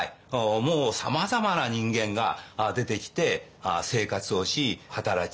もうさまざまな人間が出てきて生活をし働き